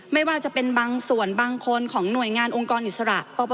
ไม่ว่าจะเป็นบางส่วนบางคนของหน่วยงานองค์กรอิสระ